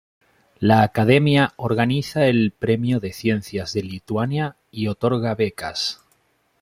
La Academia organiza el Premio de Ciencias de Lituania y otorga becas.